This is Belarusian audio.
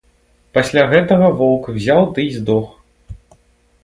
Пасля гэтага воўк узяў ды і здох.